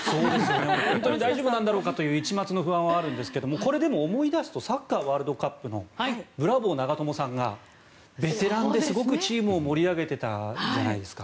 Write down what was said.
本当に大丈夫だろうかという一抹の不安はありますがこれでも、思い出すとサッカーワールドカップのブラボー、長友さんがベテランですごくチームを盛り上げてたじゃないですか。